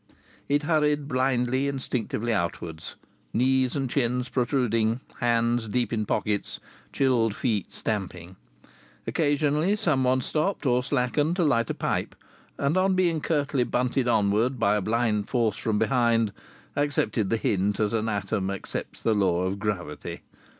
It hurried blindly, instinctively outwards, knees and chins protruding, hands deep in pockets, chilled feet stamping. Occasionally someone stopped or slackened to light a pipe, and on being curtly bunted onward by a blind force from behind, accepted the hint as an atom accepts the law of gravity.